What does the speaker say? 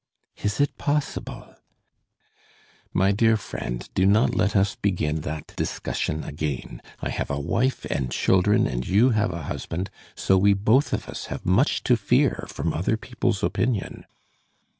"Is it possible?" "My dear friend, do not let us begin that discussion again. I have a wife and children and you have a husband, so we both of us have much to fear from other people's opinion."